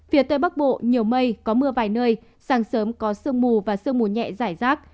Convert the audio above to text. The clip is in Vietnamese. phía tây bắc bộ nhiều mây có mưa vài nơi sáng sớm có sương mù và sương mù nhẹ giải rác